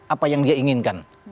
apa yang dia inginkan